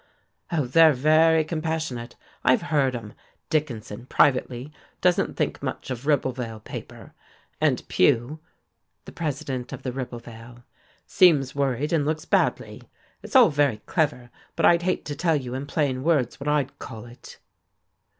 Oh, they're very compassionate. I've heard 'em. Dickinson, privately, doesn't think much of Ribblevale paper, and Pugh" (the president of the Ribblevale) "seems worried and looks badly. It's all very clever, but I'd hate to tell you in plain words what I'd call it."